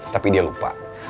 tapi dia lupa